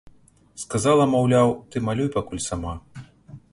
Сказала, маўляў, ты малюй пакуль сама.